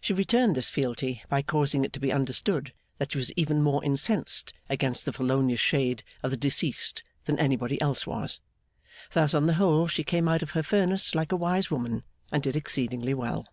She returned this fealty by causing it to be understood that she was even more incensed against the felonious shade of the deceased than anybody else was; thus, on the whole, she came out of her furnace like a wise woman, and did exceedingly well.